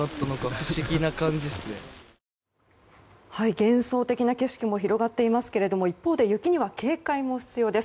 幻想的な景色も広がっていますが一方で雪には警戒も必要です。